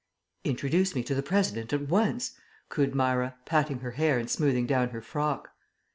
"Introduce me to the President at once," cooed Myra, patting her hair and smoothing down her frock.